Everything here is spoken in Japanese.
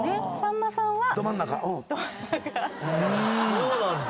そうなんだ。